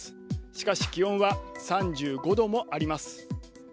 しかし気温は３５度もあります。